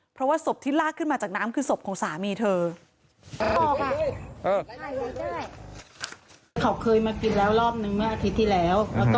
เพราะว่าศพที่ลากขึ้นมาจากน้ำคือศพของสามีเธอ